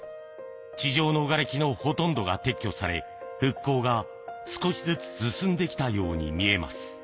地上のがれきのほとんどが撤去され、復興が少しずつ進んできたように見えます。